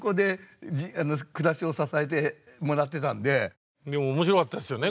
でも面白かったですよね